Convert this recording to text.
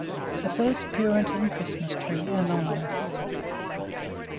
THE FIRST PURITAN CHRISTMAS TREE. (ANONYMOUS.)